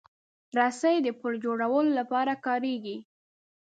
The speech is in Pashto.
رسۍ د پُل جوړولو لپاره کارېږي.